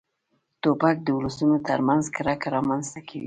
توپک د ولسونو تر منځ کرکه رامنځته کوي.